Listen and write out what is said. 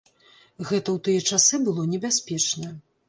Гэта ў тыя часы было небяспечна.